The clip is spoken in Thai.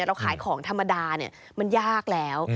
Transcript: เราขายของธรรมดาเนี่ยมันยากแล้ว